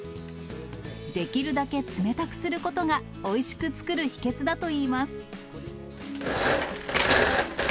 できるだけ冷たくすることが、おいしく作る秘けつだといいます。